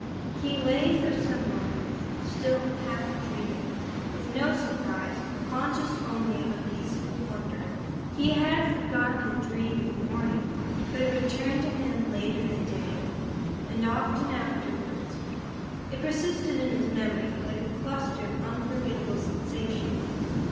He lay for some moments still half dreaming, with no surprise, conscious only of a peaceful wonder. He had forgotten the dream in the morning; but it returned to him later in the day, and often afterwards. It persisted in his memory like a cluster of unforgettable sensations.